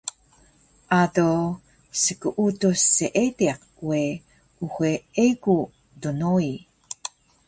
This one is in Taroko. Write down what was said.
Ado skuudus seediq we uxe egu dnoi